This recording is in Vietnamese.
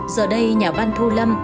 giờ đây nhà văn thu lâm